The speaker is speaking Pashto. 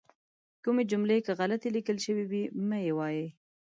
کومې جملې که غلطې لیکل شوي وي مه یې وایئ.